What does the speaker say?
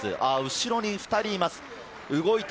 後ろに２人います。